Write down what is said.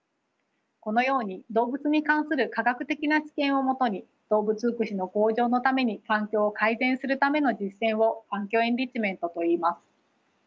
このように動物に関する科学的な知見をもとに動物福祉の向上のために環境を改善するための実践を環境エンリッチメントといいます。